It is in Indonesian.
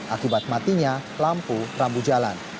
akibat matinya lampu rambu jalan